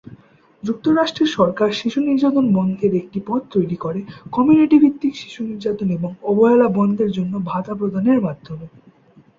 যুক্তরাষ্ট্রের সরকার শিশু-নির্যাতন বন্ধের একটি পথ তৈরী করে কমিউনিটি ভিত্তিক শিশু নির্যাতন এবং অবহেলা বন্ধের জন্য ভাতা প্রদানের মাধ্যমে।